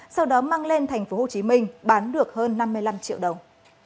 sau đó mang lên tp hcm bán được hơn năm mươi năm triệu đồng